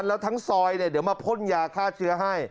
แล้วทั้งซอยเดี๋ยวมาพ่นยาฆ่าเชื้อให้